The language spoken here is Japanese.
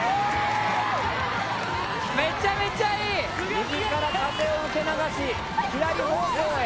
右から風を受け流し左方向へ。